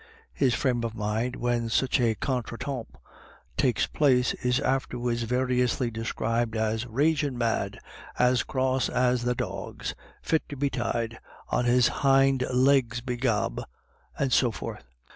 His frame of mind when such a contretemps takes place is afterwards variously described as " ragin' mad "—" as cross as the: dogs "—" fit to be tied "—" on his hind legs r begob "—and so forth.